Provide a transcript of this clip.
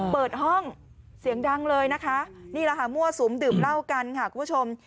เปิดห้องเสียงดังเลยนะคะนี่แหละค่ะมั่วสุมดื่มเหล้ากันค่ะคุณผู้ชม